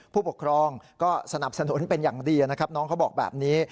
ผู้ปกครองก็สนับสนุนเป็นอย่างดีนะครับน้องเขาบอกแบบนี้